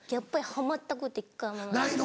ハマったこと一回もない。